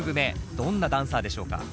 どんなダンサーでしょうか？